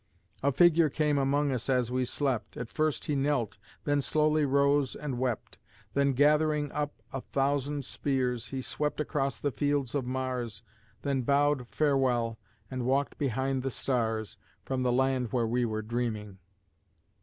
A figure came among us as we slept At first he knelt, then slowly rose and wept; Then gathering up a thousand spears, He swept across the fields of Mars, Then bowed farewell, and walked behind the stars, From the land where we were dreaming!